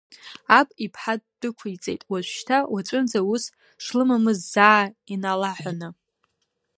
Аб иԥҳа ддәықәиҵеит, уажәшьҭа уаҵәынӡа ус шлымамыз заа иналаҳәаны.